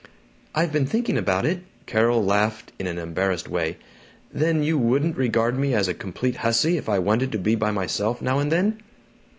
"I've been thinking about it." Carol laughed in an embarrassed way. "Then you wouldn't regard me as a complete hussy if I wanted to be by myself now and then?"